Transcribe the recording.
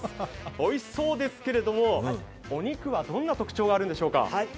おいしそうですけれども、お肉はどんな特徴があるんでしょうか。